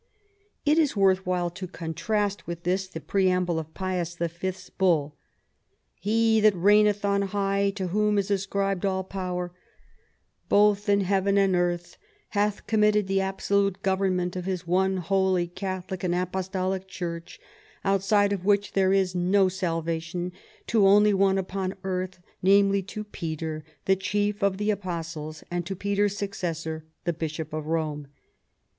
It is worth while to contrast with this the pre amble of Pius V.'s Bull. " He that reigneth on high, to Whom is ascribed all power, both in heaven and earth, hath committed the absolute government of His One, Holy, Catholic and Apostolic Church, outside of which there is no salvation, to only one upon earth, namely to Peter, the Chief of the Apostles, and to Peter's successor, the Bishop of Rome.